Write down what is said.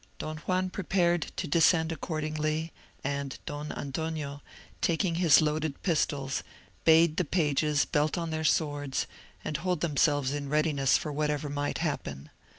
Don Juan prepared to descend accordingly, and Don Antonio, taking his loaded pistols, bade the pages belt on their swords, and hold themselves in readiness for whatever might happen.